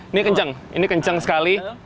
ini kenceng ini kenceng sekali